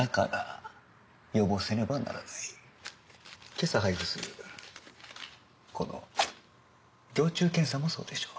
今朝配布するこのぎょう虫検査もそうでしょう。